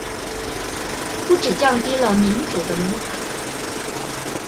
不只降低了民主的門檻